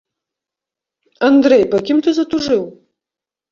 Андрэй, па кім ты затужыў?